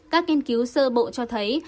các nghiên cứu sơ bộ cho thấy